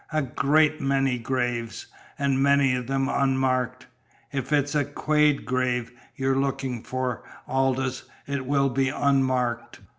"A great many graves and many of them unmarked. If it's a Quade grave you're looking for, Aldous, it will be unmarked."